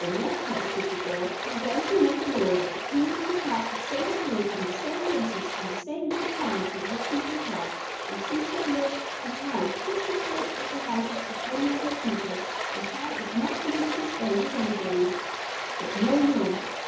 "In that case," said the girl, "I'm goin' to make a law that the Queen shall have the same food an' the same dresses an' the same good times that her people have; and she shall live in a house jus' as good as the houses of any of her people, an' have as much money to spend as anybody. But no more.